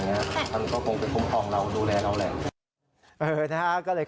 ใช่มันก็คงเป็นภูมิพรองเราดูแลเราแหละ